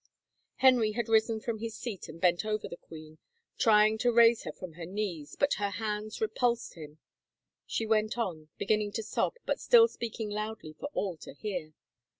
... Henry had risen from his seat and bent over the queen, trying to raise her from her knees, but her hands repulsed him; she went on, beginning to sob, but still speaking loudly for all to hear.